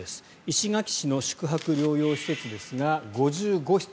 石垣市の宿泊療養施設ですが５５室。